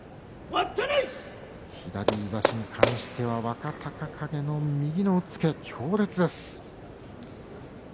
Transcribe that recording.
左差しに関しては若隆景の右の押っつけ強烈です。